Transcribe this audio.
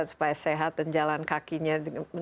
supaya sehat dan jalan kakinya